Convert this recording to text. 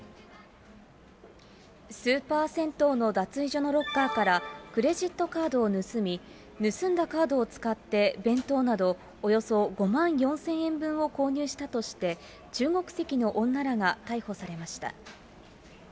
スーパー銭湯の脱衣所のロッカーから、クレジットカードを盗み、盗んだカードを使って弁当などおよそ５万４０００円分を購入したとして、中国籍の女らが逮捕されました。